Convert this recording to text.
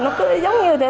nó cứ giống như thế là